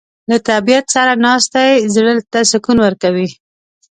له طبیعت سره ناستې زړه ته سکون ورکوي.